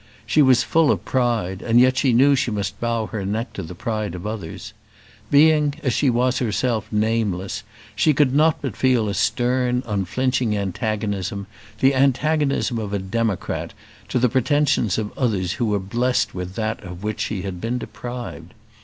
She was full of pride, and yet she knew she must bow her neck to the pride of others. Being, as she was herself, nameless, she could not but feel a stern, unflinching antagonism, the antagonism of a democrat, to the pretensions of others who were blessed with that of which she had been deprived.